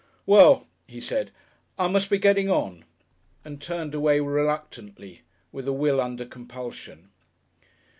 "Well," he said, "I must be getting on," and turned away reluctantly, with a will under compulsion....